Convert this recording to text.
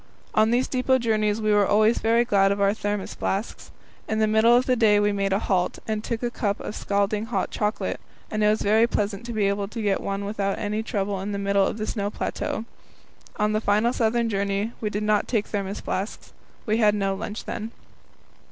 On these depot journeys we were always very glad of our Thermos flasks. In the middle of the day we made a halt, and took a cup of scalding hot chocolate, and it was very pleasant to be able to get one without any trouble in the middle of the snow plateau. On the final southern journey we did not take Thermos flasks. We had no lunch then.